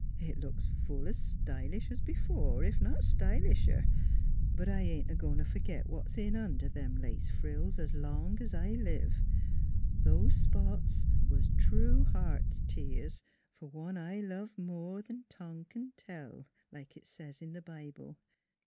It looks full as stylish as before, if not stylisher, but I ain't a going to forget whats in under them lace frills as long as I live. Those spots was true heart tears for one I love more than tongue can tell, like it says in the Bible.